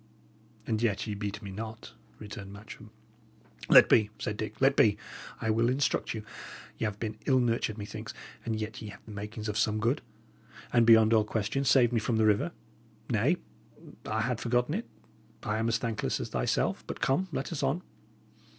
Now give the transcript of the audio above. "And yet ye beat me not," returned Matcham. "Let be," said Dick "let be. I will instruct you. Y' 'ave been ill nurtured, methinks, and yet ye have the makings of some good, and, beyond all question, saved me from the river. Nay, I had forgotten it; I am as thankless as thyself. But, come, let us on.